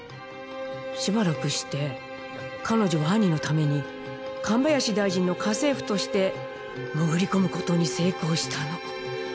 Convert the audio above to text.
しばらくして彼女は兄のために神林大臣の家政婦として潜り込む事に成功したの。